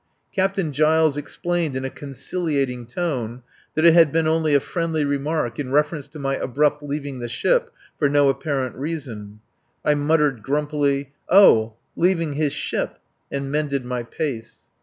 Captain Giles explained in a conciliating tone that it had been only a friendly remark in reference to my abrupt leaving the ship for no apparent reason. I muttered grumpily: "Oh! leaving his ship," and mended my pace.